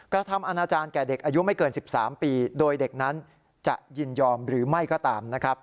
กระทำอนาจารย์แก่เด็กอายุไม่เกิน๑๓ปีโดยเด็กนั้นจะยินยอมหรือไม่ก็ตามนะครับ